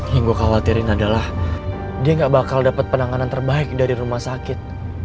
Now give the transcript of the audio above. yang gue khawatirin adalah dia gak bakal dapat penanganan terbaik dari rumah sakit